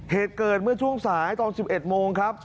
เหตุเกิดเมื่อช่วงสายตอน๑๑โมงครับ